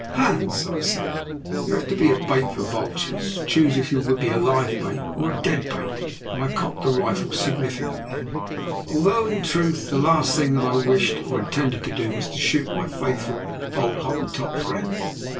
"Hans," I said, "you have to be a bait for vultures; choose if you will be a live bait or a dead bait," and I cocked the rifle significantly, although, in truth, the last thing that I wished or intended to do was to shoot my faithful old Hottentot friend.